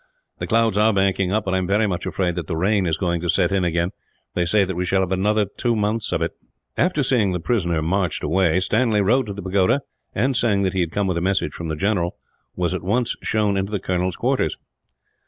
"The clouds are banking up, and I am very much afraid that the rain is going to set in again. They say that we shall have another two months of it." After seeing the prisoner marched away, Stanley rode to the pagoda and, saying that he had come with a message from the general, was at once shown into the colonel's quarters.